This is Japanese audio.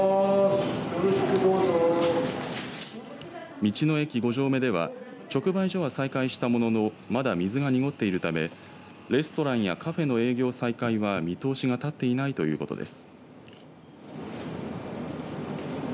道の駅五城目では直売所は再開したもののまだ水が濁っているためレストランやカフェの営業再開は見通しが立っていないということです。